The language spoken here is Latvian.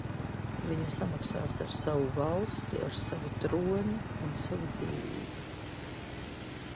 Viņa samaksās ar savu valsti, ar savu troni un savu dzīvību!